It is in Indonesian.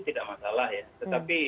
tidak masalah ya tetapi